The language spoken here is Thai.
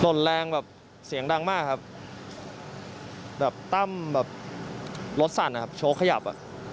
่นแรงแบบเสียงดังมากครับแบบตั้มแบบรถสั่นนะครับโชคขยับอ่ะ